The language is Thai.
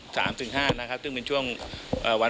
ตอนนี้ยังไม่มีพยานอักษรทุกขณะนั้น